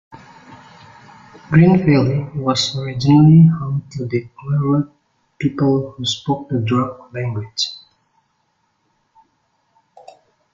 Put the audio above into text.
Green Valley was originally home to the Cabrogal people who spoke the Darug language.